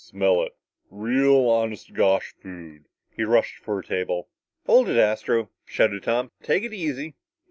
"Smell it! Real, honest to gosh food!" He rushed for a table. "Hold it, Astro," shouted Tom. "Take it easy."